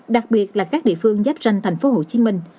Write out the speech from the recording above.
đặc biệt là các địa phương giáp ranh thành phố hồ chí minh